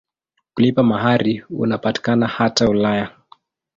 Kulipa mahari unapatikana hata Ulaya.